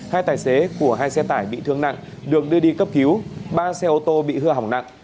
hai tài xế của hai xe tải bị thương nặng được đưa đi cấp cứu ba xe ô tô bị hư hỏng nặng